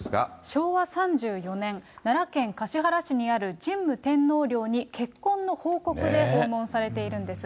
昭和３４年、奈良県橿原市にある神武天皇陵に結婚の報告で訪問されているんです。